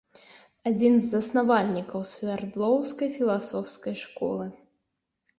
Адзін з заснавальнікаў свярдлоўскай філасофскай школы.